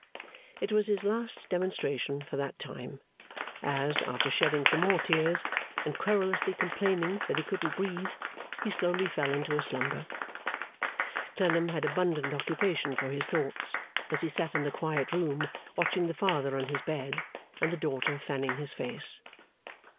It was his last demonstration for that time; as, after shedding some more tears and querulously complaining that he couldn't breathe, he slowly fell into a slumber. Clennam had abundant occupation for his thoughts, as he sat in the quiet room watching the father on his bed, and the daughter fanning his face.